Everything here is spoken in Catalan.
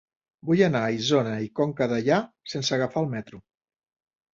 Vull anar a Isona i Conca Dellà sense agafar el metro.